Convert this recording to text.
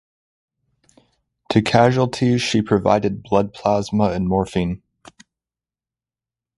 To casualties she provided blood plasma and morphine.